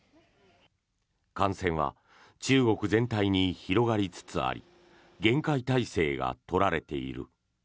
感染は中国全体に広がりつつあり厳戒態勢が取られている。